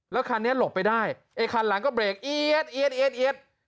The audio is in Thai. แล้วคันนี้หลบไปได้ไอคันหลังก็เบรก